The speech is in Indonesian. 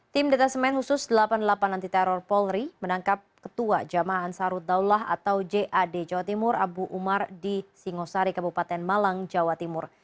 tim detesemen khusus delapan puluh delapan anti teror polri menangkap ketua jamaah ansarut daulah atau jad jawa timur abu umar di singosari kabupaten malang jawa timur